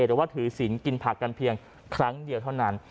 หรือว่าถือศิลป์กินผักกันเพียงครั้งเดียวเท่านั้น